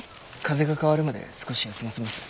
風が変わるまで少し休ませます。